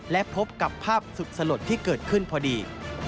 และพบกับภาพสุดสลดที่เกิดขึ้นพอดี